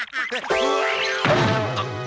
うわっ！